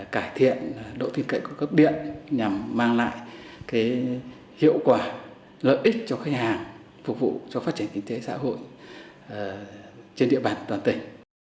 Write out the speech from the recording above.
cải thiện độ tin cậy của cấp điện nhằm mang lại hiệu quả lợi ích cho khách hàng phục vụ cho phát triển kinh tế xã hội trên địa bàn toàn tỉnh